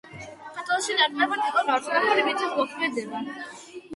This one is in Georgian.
საქართველოში ნაკლებად იყო გავრცელებული მიწათმოქმედება